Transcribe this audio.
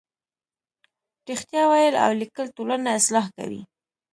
رښتیا ویل او لیکل ټولنه اصلاح کوي.